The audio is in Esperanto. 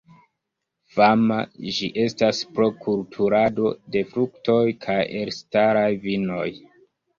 Fama ĝi estas pro kulturado de fruktoj kaj elstaraj vinoj.